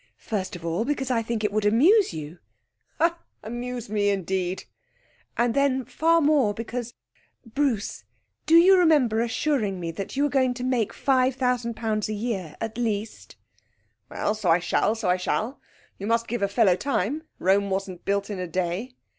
'First of all, because I think it would amuse you.' 'Amuse me, indeed!' 'And then, far more, because Bruce, do you remember assuring me that you were going to make £5,000 a year at least?' 'Well, so I shall, so I shall. You must give a fellow time. Rome wasn't built in a day.'